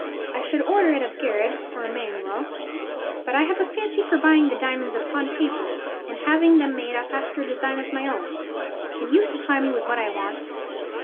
I should order it of Garrard or Emanuel; but I have a fancy for buying the diamonds upon paper, and having them made up after a design of my own. Can you supply me with what I want?"